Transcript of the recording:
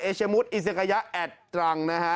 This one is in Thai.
เอเชมุดอิสิกายะแอดตรัง